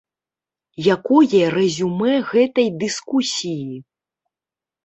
Якое рэзюмэ гэтай дыскусіі?